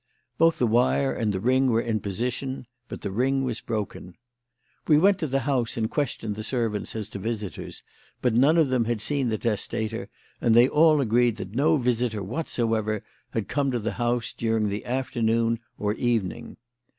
Both the wire and the ring were in position, but the ring was broken. We went to the house and questioned the servants as to visitors; but none of them had seen the testator, and they all agreed that no visitor whatsoever had come to the house during the afternoon, or evening.